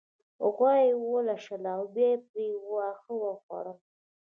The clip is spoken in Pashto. غوا يې ولوشله او بيا يې پرې واښه وخوړل